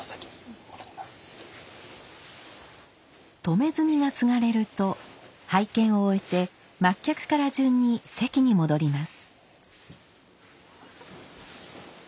止炭がつがれると拝見を終えて末客から順に席に戻ります。